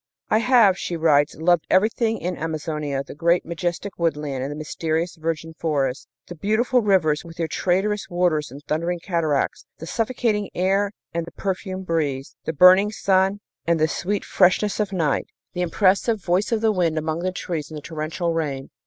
"I have," she writes, "loved everything in Amazonia, the great majestic woodland and the mysterious virgin forest, the beautiful rivers with their traitorous waters and thundering cataracts, the suffocating air and the perfumed breeze, the burning sun and the sweet freshness of night, the impressive voice of the wind among the trees and the torrential rain.